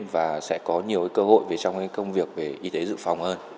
và sẽ có nhiều cơ hội về trong công việc về y tế dự phòng hơn